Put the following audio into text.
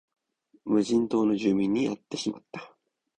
無人島の住民に会ってしまった